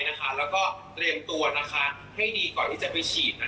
และเตรียมตัวให้ดีกว่าที่จะไปฉีด